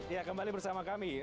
ya kembali bersama kami